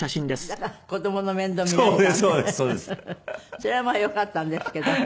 それはまあよかったんですけど。